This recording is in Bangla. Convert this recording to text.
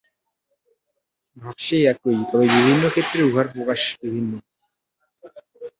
ভাব সেই একই, তবে বিভিন্ন ক্ষেত্রে উহার প্রকাশ বিভিন্ন।